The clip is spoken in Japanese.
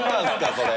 それ。